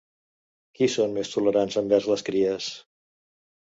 Qui són més tolerants en vers les cries?